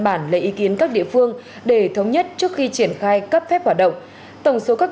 bản lấy ý kiến các địa phương để thống nhất trước khi triển khai cấp phép hoạt động tổng số các